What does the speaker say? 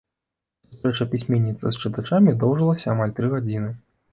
Сустрэча пісьменніцы з чытачамі доўжылася амаль тры гадзіны.